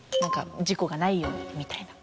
事故がないようにみたいな。